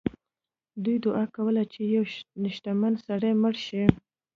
دوی دعا کوله چې یو شتمن سړی مړ شي.